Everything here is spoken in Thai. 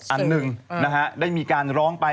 อันหนึ่งนะฮะได้มีการร้องไป